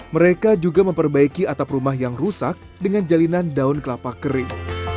mereka juga memperbaiki atap rumah yang rusak dengan jalinan daun kelapa kering